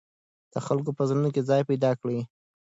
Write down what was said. د خلکو په زړونو کې ځای پیدا کړئ.